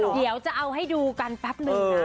เดี๋ยวจะเอาให้ดูกันแป๊บนึงนะ